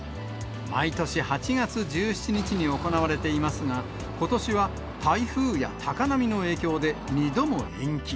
毎年８月１７日に行われていますが、ことしは台風や高波の影響で２度も延期。